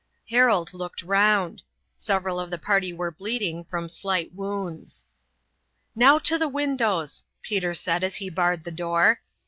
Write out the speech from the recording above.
Harold looked round. Several of the party were bleeding from slight wounds. "Now to the windows," Peter said as he barred the door.